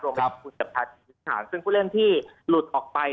รวมกับคุณสุดสะพานซึ่งผู้เล่นที่หลุดออกไป